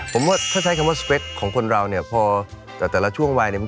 คือจริงแล้วจริงคือสเปคเลยไหม